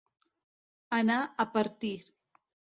Anar a partir.